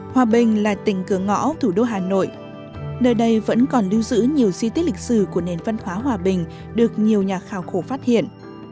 hòa bình là tỉnh cửa ngõ thủ đô hà nội nơi đây vẫn còn lưu giữ nhiều di tích lịch sử của nền văn hóa hòa bình được nhiều nhà khảo cổ phát hiện